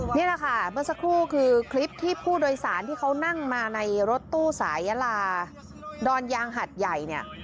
นี่แหละค่ะเมื่อสักครู่คือคลิปที่ผู้โดยสารที่เขานั่งมาในรถตู้สายยาลาดอนยางหัดใหญ่เนี่ย